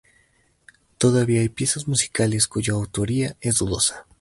Todavía hay piezas musicales cuya autoría es dudosa.